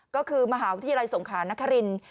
ก็คือมหาวิทยาลัยสงขานครินทร์